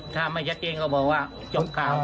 ถ้าไม่ชัดเจนก็บอกว่าจบข่าว